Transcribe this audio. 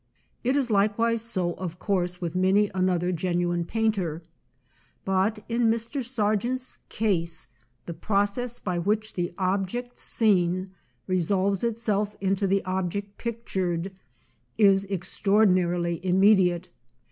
It is likewise so, of course, with many another genuine painter; but in Mr. Sargent's case the process by which the object seen resolves itself into the ob ject pictured is extraordinarily immediate.